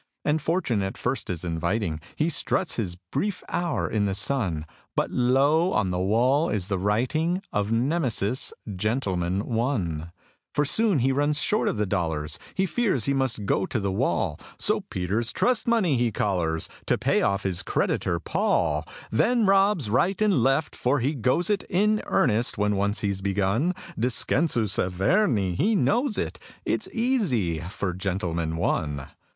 And fortune at first is inviting He struts his brief hour in the sun But, lo! on the wall is the writing Of Nemesis, "Gentleman, One". For soon he runs short of the dollars, He fears he must go to the wall; So Peter's trust money he collars To pay off his creditor, Paul; Then robs right and left for he goes it In earnest when once he's begun. Descensus Averni he knows it; It's easy for "Gentleman, One".